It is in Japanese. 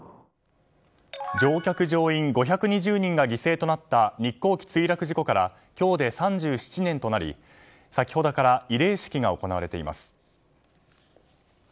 乗客・乗員５２０人が犠牲となった日航機墜落事故から今日で３７年となり先ほどから慰霊式が行われています。